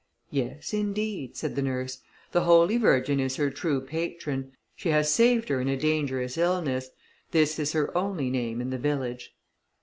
"Yes, indeed," said the nurse, "the Holy Virgin is her true patron; she has saved her in a dangerous illness: this is her only name in the village."